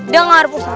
dengar pak ustaz